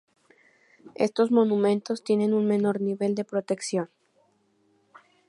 Estos monumentos tienen un menor nivel de protección.